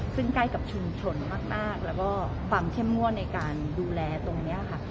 ซึ่งใกล้กับชุมชนมากแล้วก็ความเข้มงวดในการดูแลตรงนี้ค่ะ